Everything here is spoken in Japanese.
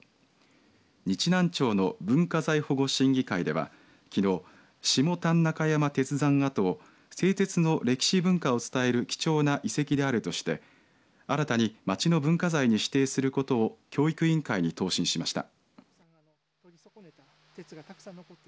日南町の文化財保護審議会ではきのう下谷中山鉄山跡を製鉄の歴史文化を伝える貴重な遺跡であるとして新たに町の文化財に指定することを教育委員会に答申しました。